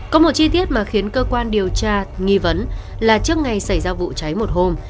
có một chi tiết mà khiến cơ quan điều tra nghi vấn là trước ngày xảy ra vụ cháy một hôm